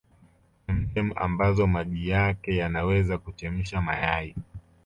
chemchem ambazo maji yake yanaweza kuchemsha mayai